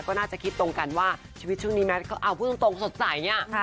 ก็คิดตรงกันว่าชีวิตช่วงนี้แมทเอ้าพูดร้องตรงสดใจเนี่ย